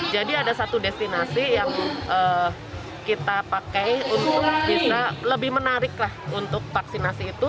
jadi ada satu destinasi yang kita pakai untuk bisa lebih menarik untuk vaksinasi itu